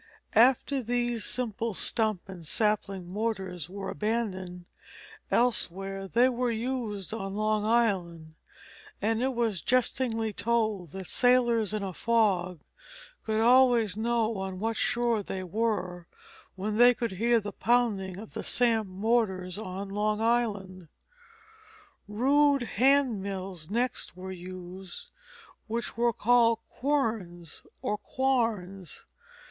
After these simple stump and sapling mortars were abandoned elsewhere they were used on Long Island, and it was jestingly told that sailors in a fog could always know on what shore they were, when they could hear the pounding of the samp mortars on Long Island. Rude hand mills next were used, which were called quernes, or quarnes.